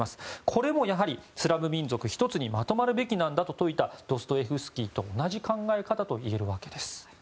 これもスラブ民族が１つにまとまるべきだと説いたドストエフスキーと同じ考え方といえるんです。